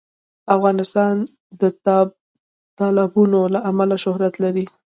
افغانستان د تالابونه له امله شهرت لري.